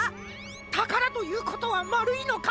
たからということはまるいのか？